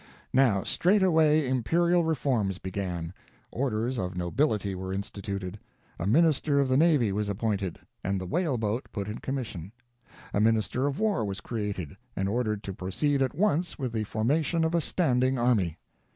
Now straightway imperial reforms began. Orders of nobility were instituted. A minister of the navy was appointed, and the whale boat put in commission. A minister of war was created, and ordered to proceed at once with the formation of a standing army.